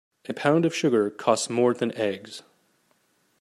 A pound of sugar costs more than eggs.